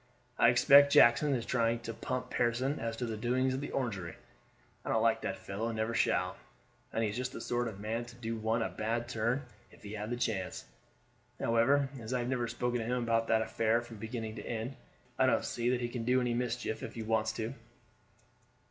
"I expect Jackson is trying to pump Pearson as to the doings at the Orangery. I don't like that fellow, and never shall, and he is just the sort of man to do one a bad turn if he had the chance. However, as I have never spoken to him about that affair from beginning to end, I don't see that he can do any mischief if he wants to."